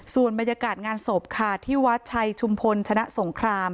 ส่วนบรรยากาศงานศพค่ะที่วัดชัยชุมพลชนะสงคราม